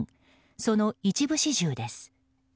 その一部始終です。